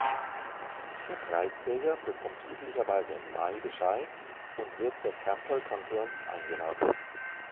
Der Preisträger bekommt üblicherweise im Mai Bescheid und wird zur Campbell Conference eingeladen.